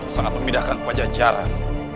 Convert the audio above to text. sangat memindahkan pajajaran